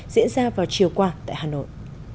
diễn ra vào chiều qua tại hà nội